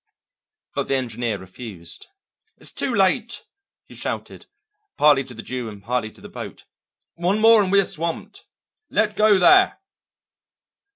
But the engineer refused. "It's too late!" he shouted, partly to the Jew and partly to the boat. "One more and we are swamped. Let go there!"